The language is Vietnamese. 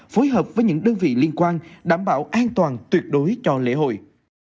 phối hợp với những đơn vị liên quan đảm bảo an toàn tuyệt đối cho lễ hội